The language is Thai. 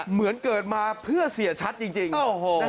เหมือนเกิดมาเพื่อเสียชัตติจริงอ้อโห